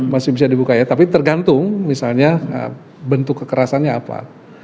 masih bisa dibuka ya tapi tergantung misalnya bentuk kekerasannya apa